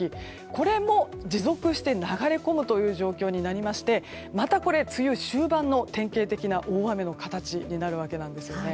これも持続して流れ込むという状況になりましてまたこれ、梅雨終盤の典型的な大雨の形になるわけなんです。